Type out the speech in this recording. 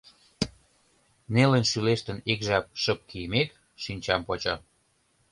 Нелын шӱлештын, ик жап шып кийымек, шинчам почо.